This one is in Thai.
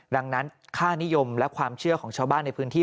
ดังนั้นค่านิยมและความเชื่อของชาวบ้านในพื้นที่